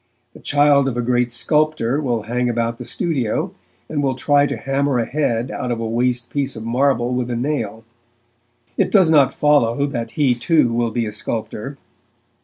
The child of a great sculptor will hang about the studio, and will try to hammer a head out of a waste piece of marble with a nail; it does not follow that he too will be a sculptor.